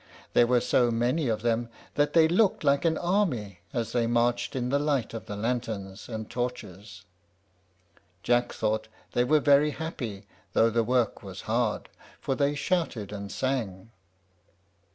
There were so many of them that they looked like an army as they marched in the light of the lanterns and torches. Jack thought they were very happy, though the work was hard, for they shouted and sang.